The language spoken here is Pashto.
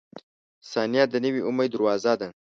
• ثانیه د نوي امید دروازه ده.